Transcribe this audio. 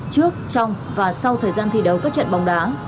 trước trong và sau thời gian thi đấu các trận bóng đá